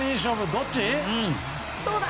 どっち？